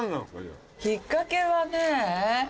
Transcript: きっかけはね